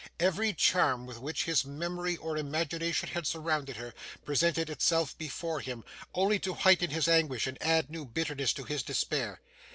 Every charm with which his memory or imagination had surrounded her, presented itself before him, only to heighten his anguish and add new bitterness to his despair.